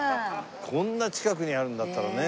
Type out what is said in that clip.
こんな近くにあるんだったらね。